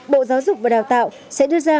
bộ giáo dục và đào tạo sẽ đưa ra